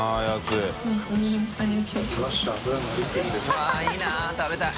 うわぁいいな食べたい。